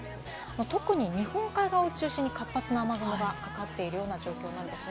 特に日本海側を中心に活発な雨雲がかかっているような状況になっているんですね。